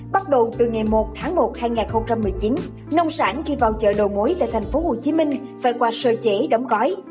bắt đầu từ ngày một tháng một hai nghìn một mươi chín nông sản khi vào chợ đầu mối tại tp hcm phải qua sơ chế đóng gói